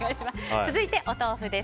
続いて、お豆腐です。